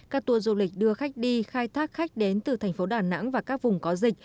các tour du lịch đưa khách đi khai thác khách đến từ thành phố đà nẵng và các vùng có dịch